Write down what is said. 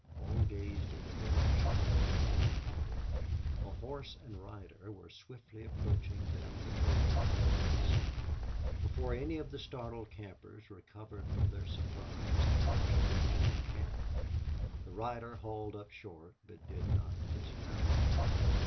All gazed in the direction in which Horn pointed. A horse and rider were swiftly approaching down the trail from the west. Before any of the startled campers recovered from their surprise the horse reached the camp. The rider hauled up short, but did not dismount.